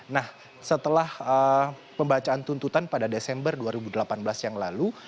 nah setelah pembacaan tuntutan pada desember dua ribu delapan belas yang lalu